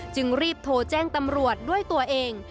จึงรีบโทรแจ้งตำรวจด้วยตัวเอง